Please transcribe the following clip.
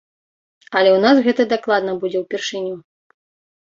Але ў нас гэта дакладна будзе ўпершыню.